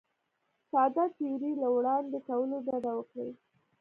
ساده تیورۍ له وړاندې کولو ډډه وکړي.